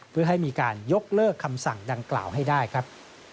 เพื่อให้มีการยกเลิกคำสั่งดังกล่าวให้ได้ครับ